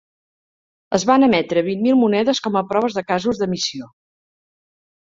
Es van emetre vint mil monedes com a proves de casos d'emissió.